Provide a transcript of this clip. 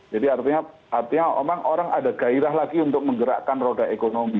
jadi artinya memang orang ada gairah lagi untuk menggerakkan roda ekonomi